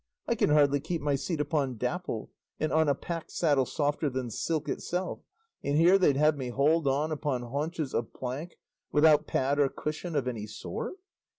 I can hardly keep my seat upon Dapple, and on a pack saddle softer than silk itself, and here they'd have me hold on upon haunches of plank without pad or cushion of any sort!